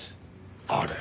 あれ？